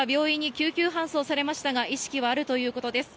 女性は病院に救急搬送されましたが意識はあるということです。